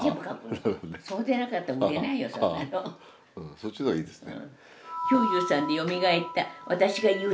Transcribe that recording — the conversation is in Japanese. そっちの方がいいですね。